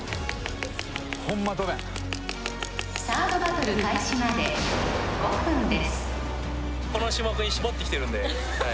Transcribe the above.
サードバトル開始まで５分です